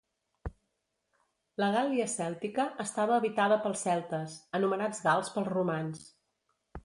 La Gàl·lia Cèltica estava habitada pels celtes, anomenats gals pels romans.